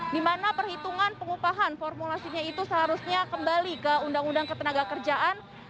di mana perhitungan pengupahan formulasinya itu seharusnya kembali ke undang undang ketenaga kerjaan